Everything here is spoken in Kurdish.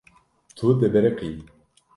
Tu dibiriqî.